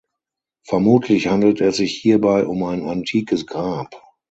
Vermutlich handelt es sich hierbei um ein antikes Grab.